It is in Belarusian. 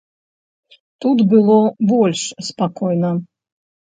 Тут было больш спакойна.